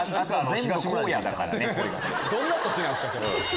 どんな土地なんすか！